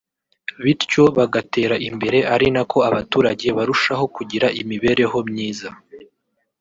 bityo bagatera imbere ari nako abaturage barushaho kugira imibereho myiza